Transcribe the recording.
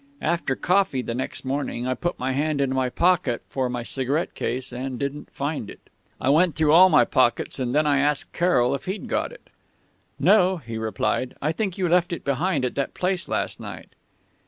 "After coffee the next morning I put my hand into my pocket for my cigarette case and didn't find it. I went through all my pockets, and then I asked Carroll if he'd got it. "'No,' he replied.... 'Think you left it behind at that place last night?'